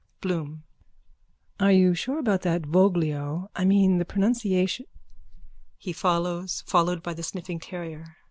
BLOOM: Are you sure about that Voglio? I mean the pronunciati... _(He follows, followed by the sniffing terrier.